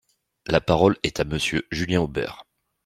La parole est à Monsieur Julien Aubert.